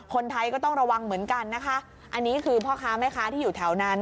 คนไทยก็ต้องระวังเหมือนกันนะคะอันนี้คือพ่อค้าแม่ค้าที่อยู่แถวนั้น